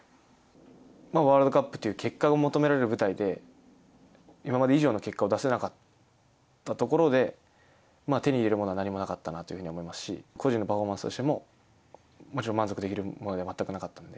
ワールドカップという結果を求められる舞台で、今まで以上の結果を出せなかったところで、手に入れるものは何もなかったなというふうに思いますし、個人のパフォーマンスとしても、もちろん満足できるものでは全くなかったので。